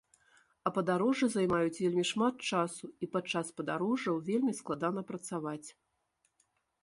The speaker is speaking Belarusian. А падарожжы займаюць вельмі шмат часу і падчас падарожжаў вельмі складана працаваць.